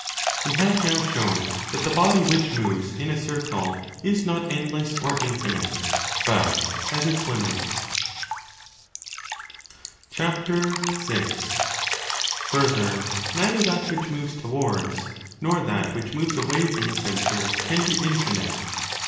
) 5 We have now shown that the body which moves in a circle is not endless or infinite, but has its limit. Further, neither that which moves towards nor that 6 which moves away from the centre can be infinite.